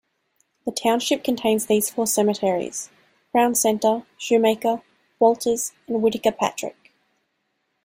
The township contains these four cemeteries: Crown Center, Shumaker, Walters and Whitaker-Patrick.